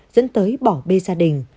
dẫn tới bỏ bê gia đình